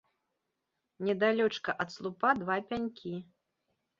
Недалёчка ад слупа два пянькі.